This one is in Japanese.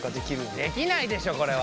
できないでしょこれは。